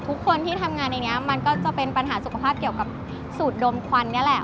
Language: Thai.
ทุกคนที่ทำงานในนี้มันก็จะเป็นปัญหาสุขภาพเกี่ยวกับสูตรดมควันนี่แหละ